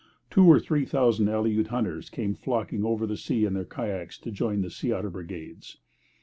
Two or three thousand Aleut hunters came flocking over the sea in their kayaks to join the sea otter brigades.